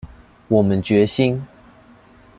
我們決心